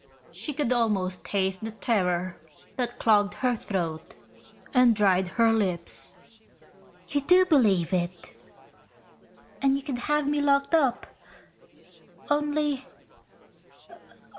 She could almost taste the terror that clogged her throat and dried her lips. "You do believe it. And you could have me locked up. Only